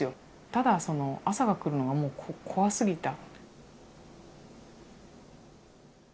ただその朝が来るのがもう怖すぎた。